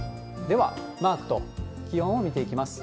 では、マークと気温を見ていきます。